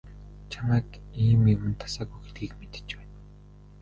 Чамайг ийм юманд дасаагүй гэдгийг мэдэж байна.